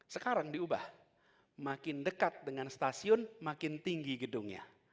sekarang diubah makin dekat dengan stasiun makin tinggi gedungnya